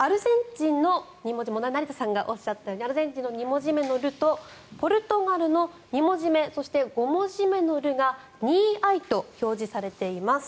成田さんがおっしゃったようにアルゼンチンの２文字目の「ル」とポルトガルの２文字目そして５文字目の「ル」が「２Ｉ」と表示されています。